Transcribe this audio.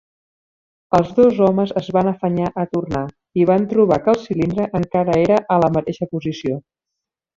Els dos homes es van afanyar a tornar i van trobar que el cilindre encara era a la mateixa posició.